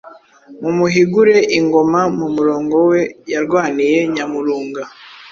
Mumuhigure ingoma Mu murongo we Yarwaniye Nyamurunga.